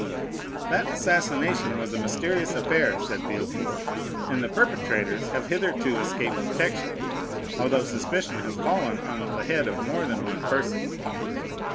"That assassination was a mysterious affair," said Villefort, "and the perpetrators have hitherto escaped detection, although suspicion has fallen on the head of more than one person."